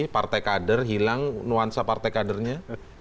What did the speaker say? partai kader hilang nuansa partai kadernya